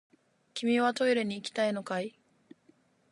君はトイレに行きたいのかい？